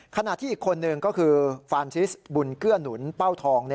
ขณะที่อีกคนนึงก็คือฟานซิสบุญเกื้อหนุนเป้าทอง